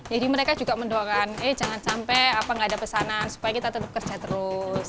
jadi mereka juga mendoakan eh jangan sampai apa gak ada pesanan supaya kita tetap kerja terus